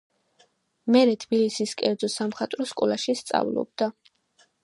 მერე თბილისის კერძო სამხატვრო სკოლაში სწავლობდა.